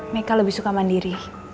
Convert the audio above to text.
meka lebih suka mandiri